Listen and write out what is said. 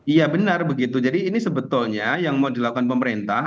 iya benar begitu jadi ini sebetulnya yang mau dilakukan pemerintah